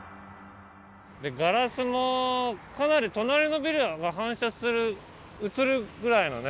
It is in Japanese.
ガラスもかなり隣のビルが反射する映るぐらいのねガラスですね。